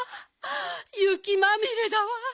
ゆきまみれだわ。